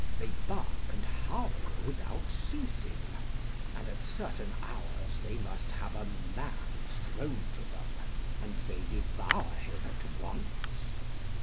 They bark and howl without ceasing, and at certain hours they must have a man thrown to them, and they devour him at once.'